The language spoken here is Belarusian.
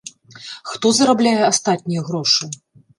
Хто зарабляе астатнія грошы?